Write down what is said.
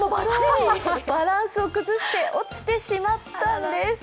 バランスを崩して落ちてしまったんです。